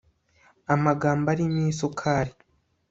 Amagambo arimo isukari